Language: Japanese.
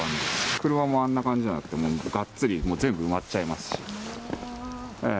車もあんな感じじゃなくて、がっつり全部埋まっちゃいますし。